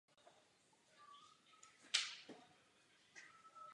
Českému slovu "fakulta" tak odpovídají spíše výrazy "college" nebo "school".